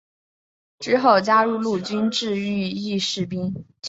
之后加入陆军志愿役士兵。